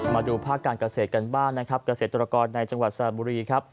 มาดูภาคการเกษตรกันบ้างนะครับเกษตรกรในจังหวัดสระบุรีครับ